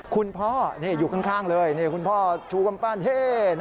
คุณพ่ออยู่ข้างเลยคุณพ่อชูกำปั้นเฮ่